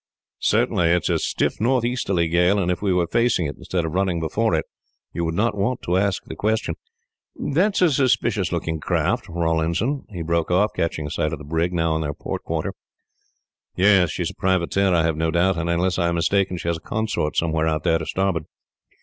"Certainly. It is a stiff north easterly gale, and if we were facing it, instead of running before it, you would not want to ask the question. "That is a suspicious looking craft, Rawlinson," he broke off, catching sight of the brig, now on their port quarter. "Yes, she is a privateer I have no doubt, and, unless I am mistaken, she has a consort somewhere out there to starboard.